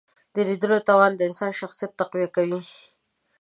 د لیدلو توان د انسان شخصیت تقویه کوي